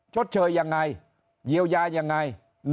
ชดเชยยังไงเยียวยายังไง